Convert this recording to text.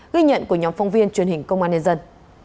ghi nhận của nhóm phóng viên truyền hình công an nhân dân